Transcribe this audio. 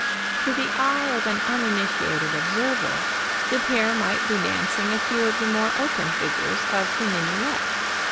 To the eye of an uninitiated observer, the pair might be dancing a few of the more open figures of the minuet.